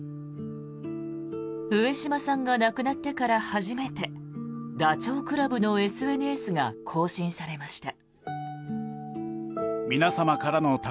上島さんが亡くなってから初めてダチョウ倶楽部のＳＮＳが更新されました。